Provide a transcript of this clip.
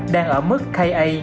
đang ở mức ka